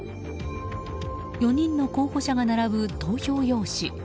４人の候補者が並ぶ投票用紙。